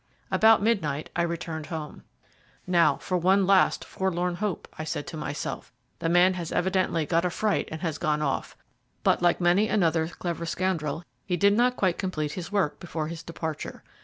About midnight I returned home. "Now, for one last forlorn hope," I said to myself. "The man has evidently got a fright and has gone off. But like many another clever scoundrel, he did not quite complete his work before his departure.